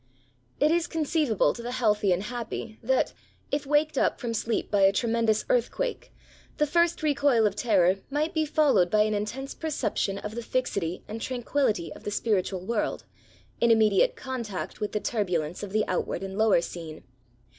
It is conceivable to the healthy and happy, that, if waked up from sleep by a tremendous earthquake, the first recoil of terror might be followed by an intense percep tion of the fixity and tranquillity of the spiritual world, in immediate contact with the turbulence of the outward and lower scene.